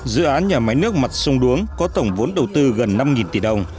dự án nhà máy nước mặt sông đuống có tổng vốn đầu tư gần năm tỷ đồng